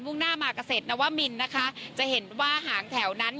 ่งหน้ามาเกษตรนวมินนะคะจะเห็นว่าหางแถวนั้น